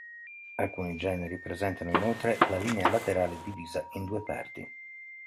Alcuni generi presentano inoltre la linea laterale divisa in due parti.